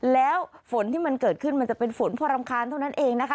แล้วฝนที่มันเกิดขึ้นมันจะเป็นฝนพอรำคาญเท่านั้นเองนะคะ